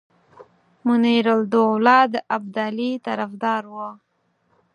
منیرالدوله د ابدالي طرفدار وو.